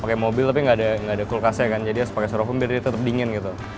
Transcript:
pakai mobil tapi nggak ada kulkasnya kan jadi harus pakai strofoam biar dia tetap dingin gitu